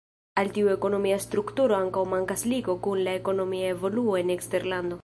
Al tiu ekonomia strukturo ankaŭ mankas ligo kun la ekonomia evoluo en eksterlando.